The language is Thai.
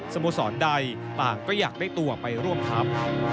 โมสรใดต่างก็อยากได้ตัวไปร่วมทัพ